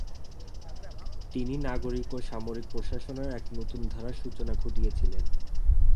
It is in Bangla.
তিনি নাগরিক ও সামরিক প্রশাসনের এক নতুন ধারার সূচনা ঘটিয়েছিলেন।